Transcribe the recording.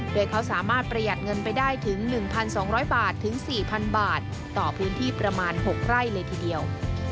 โดยเขาสามารถประหยัดเงินไปได้ถึง๑๒๐๐บาทถึง๔๐๐๐บาทต่อพื้นที่ประมาณ๖ไร่เลยทีเดียว